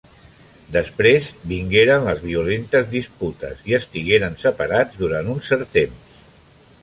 Després, vingueren les violentes disputes i estigueren separats durant un cert temps.